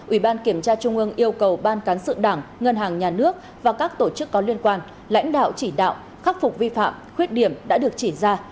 ủy ban kiểm tra trung ương yêu cầu ban cán sự đảng ngân hàng nhà nước và các tổ chức có liên quan lãnh đạo chỉ đạo khắc phục vi phạm khuyết điểm đã được chỉ ra